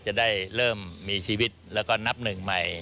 จะได้เริ่มมีชีวิตแล้วก็นับหนึ่งใหม่